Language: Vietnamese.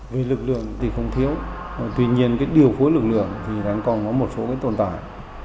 vì lực lượng thì không thiếu tuy nhiên cái điều phối lực lượng thì đang còn có một số cái tồn tại